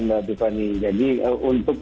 mbak tiffany jadi untuk